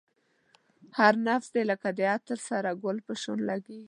هر نفس دی لکه عطر د سره گل په شان لگېږی